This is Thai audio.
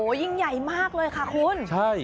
โอ้โหยิ่งใหญ่มากเลยค่ะคุณ